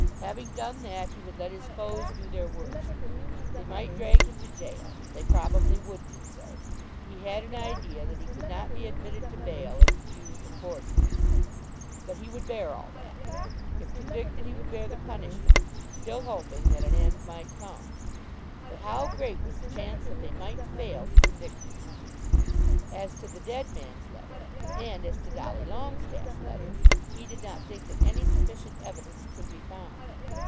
Having done that, he would let his foes do their worst. They might drag him to gaol. They probably would do so. He had an idea that he could not be admitted to bail if accused of forgery. But he would bear all that. If convicted he would bear the punishment, still hoping that an end might come. But how great was the chance that they might fail to convict him! As to the dead man's letter, and as to Dolly Longestaffe's letter, he did not think that any sufficient evidence could be found.